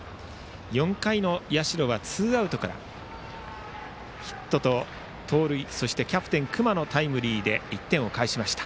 ４回の社はツーアウトからヒットと盗塁そしてキャプテン隈のタイムリーで１点を返しました。